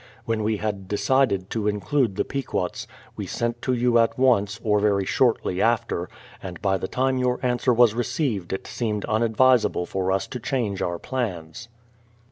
When we had decided to include the Pequots, we sent to you at once, or very shortly after, and by the time your answer was received it seemed unadvisable for us to change our plans.